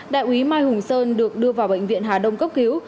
đại úy mai hùng sơn được đưa vào bệnh viện hà đông cấp cứu